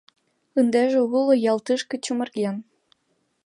Ындыже уло ял тышке чумырген.